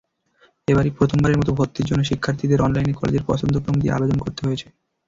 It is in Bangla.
এবারই প্রথমবারের মতো ভর্তির জন্য শিক্ষার্থীদের অনলাইনে কলেজের পছন্দক্রম দিয়ে আবেদন করতে হয়েছে।